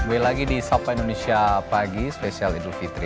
kembali lagi di sapa indonesia pagi spesial idul fitri